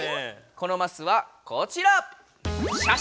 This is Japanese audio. このマスはこちら！